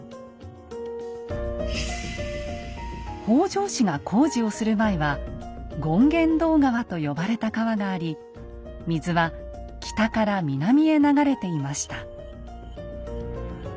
北条氏が工事をする前は権現堂川と呼ばれた川があり水は北から南へ流れていました。